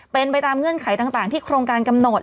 เป็นไปตามเงื่อนไขต่างที่โครงการกำหนด